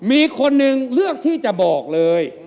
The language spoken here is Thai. มีคนหนึ่งเลือกที่จะบอกเลย